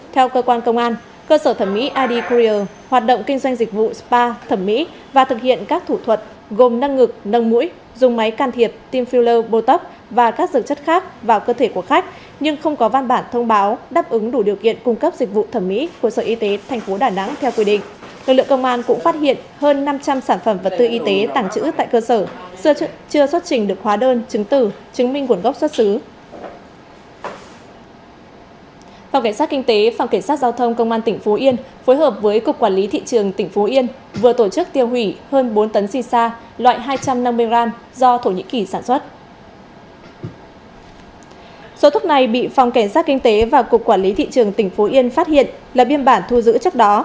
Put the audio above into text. theo cơ quan công an cơ sở thẩm mỹ id career hoạt động kinh doanh dịch vụ spa thẩm mỹ và thực hiện các thủ thuật gồm nâng ngực nâng mũi dùng máy can thiệp tim filler bô tóc và các dược chất khác vào cơ thể của khách nhưng không có văn bản thông báo đáp ứng đủ điều kiện cung cấp dịch vụ thẩm mỹ của sở y tế thành phố đà nẵng theo quy định